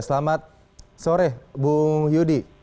selamat sore bu yudi